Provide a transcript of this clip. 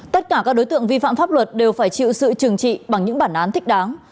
tất cả các đối tượng vi phạm pháp luật đều phải chịu sự trừng trị bằng những bản án thích đáng